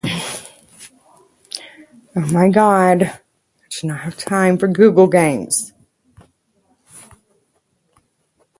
A few secondary roads serve the area for forestry and recreational tourism purposes.